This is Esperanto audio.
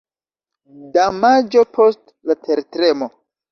Damaĝo post la tertremo.